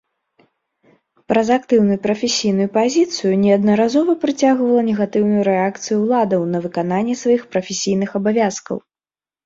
Праз актыўную прафесійную пазіцыю неаднаразова прыцягвала негатыўную рэакцыю ўладаў на выкананне сваіх прафесійных абавязкаў.